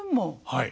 はい。